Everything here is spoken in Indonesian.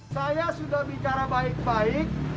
saya sudah bicara baik baik